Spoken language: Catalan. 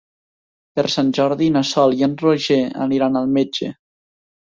Per Sant Jordi na Sol i en Roger aniran al metge.